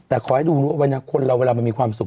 แต่ขอให้ดูรู้ไว้นะคนเราเวลามันมีความสุข